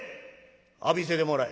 「浴びせてもらえ」。